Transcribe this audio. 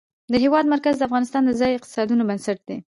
د هېواد مرکز د افغانستان د ځایي اقتصادونو بنسټ دی.